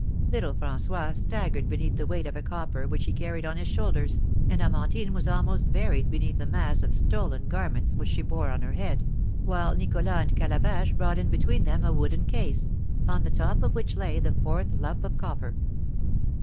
Little François staggered beneath the weight of copper which he carried on his shoulders, and Amandine was almost buried beneath the mass of stolen garments which she bore on her head, while Nicholas and Calabash brought in between them a wooden case, on the top of which lay the fourth lump of copper.